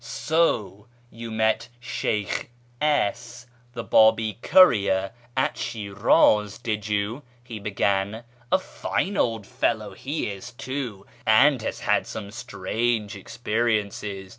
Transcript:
" So you met Sheykh S , the Babi courier, at Shiraz, did you ?" he began ;" a fine old fellow he is, too, and has had some strange experiences.